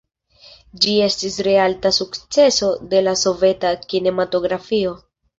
Ĝi estis reala sukceso de la soveta kinematografio.